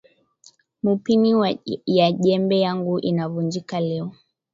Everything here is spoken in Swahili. Mupini ya jembe yangu ina vunjika leo